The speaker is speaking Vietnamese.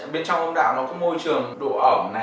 bên trong ông đạo nó có môi trường đồ ẩm